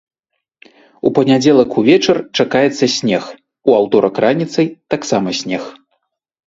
У панядзелак увечар чакаецца снег, у аўторак раніцай таксама снег.